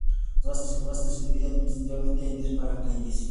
Sebaste se divide administrativamente en diez barangayes.